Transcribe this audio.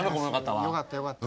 よかったよかった。